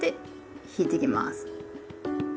引いてきます。